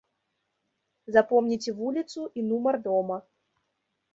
Запомніце вуліцу і нумар дома.